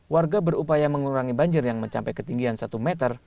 warga berupaya mengurangi banjir yang mencapai ketinggian satu meter